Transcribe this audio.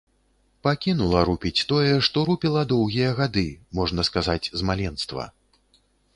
Пакінула рупіць тое, што рупіла доўгія гады, можна сказаць з маленства.